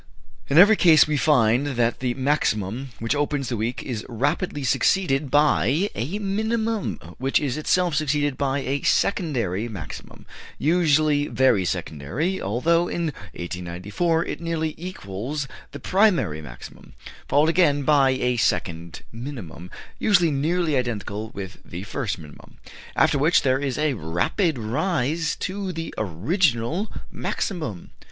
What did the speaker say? In every case we find that the maximum which opens the week is rapidly succeeded by a minimum, which is itself succeeded by a secondary maximum, usually very secondary, although in 1894 it nearly equals the primary maximum, followed again by a second minimum usually nearly identical with the first minimum, after which there is a rapid rise to the original maximum.